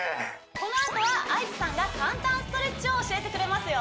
このあとはＩＧさんが簡単ストレッチを教えてくれますよ